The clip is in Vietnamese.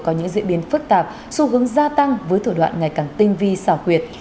có những diễn biến phức tạp xu hướng gia tăng với thủ đoạn ngày càng tinh vi xảo quyệt